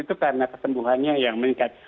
itu karena kesembuhannya yang meningkat